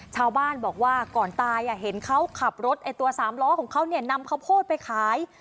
ชาวบ้านบอกว่าก่อนตายเห็นเขาขับรถไอ้ตัวสามล้อของเขาเนี่ยนำข้าวโพดไปขาย